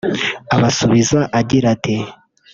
abasubiza agira ati